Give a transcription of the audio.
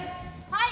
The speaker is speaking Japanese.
はい。